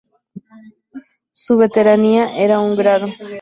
Su veteranía era un grado.